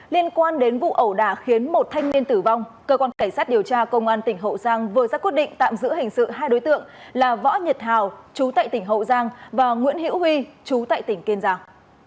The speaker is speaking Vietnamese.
liên quan đến vụ ẩu đả khiến một thanh niên tử vong cơ quan cảnh sát điều tra công an tỉnh hậu giang vừa ra quyết định tạm giữ hình sự hai đối tượng là võ nhật hào chú tại tỉnh hậu giang và nguyễn hữu huy chú tại tỉnh kiên giang